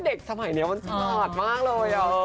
ก็เด็กสมัยนี้มันสมาธิมากเลย